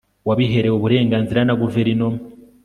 wabiherewe uburenganzira na guverinoma